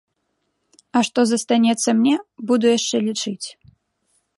А што застанецца мне, буду яшчэ лічыць.